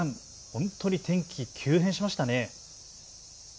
本当に天気、急変しましたね。